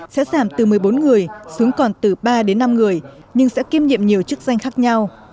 sẽ giảm từ một mươi bốn người xuống còn từ ba đến năm người nhưng sẽ kiêm nhiệm nhiều chức danh khác nhau